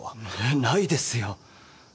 ないですよ。